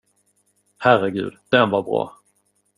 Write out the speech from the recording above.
Herregud, den var bra!